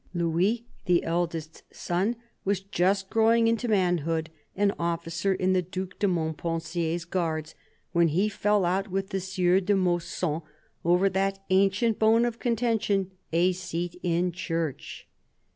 Louis, the eldest son, was just growing into manhood, an officer in the Due de Mont pensier's guards, when he fell out with the Sieur de Mausson over that ancient bone of contention, a seat in church.